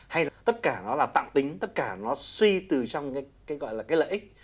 hay là tất cả nó là tạm tính tất cả nó suy từ trong cái gọi là cái lợi ích